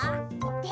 で？